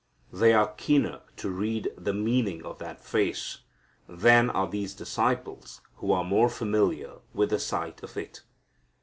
They are keener to read the meaning of that face than are these disciples who are more familiar with the sight of it.